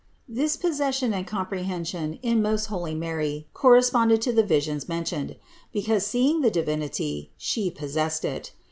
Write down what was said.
This possession and comprehension in most holy Mary corresponded to the visions mentioned ; because seeing the Divinity, She pos sessed It.